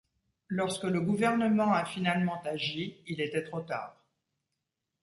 Lorsque le gouvernement a finalement agi, il était trop tard.